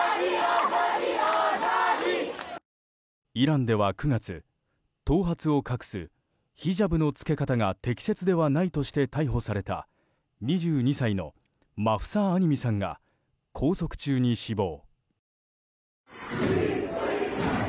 イランでは９月頭髪を隠すヒジャブの着け方が適切ではないとして逮捕された２２歳のマフサ・アミニさんが拘束中に死亡。